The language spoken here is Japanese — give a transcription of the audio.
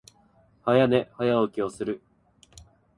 早寝、早起きをする。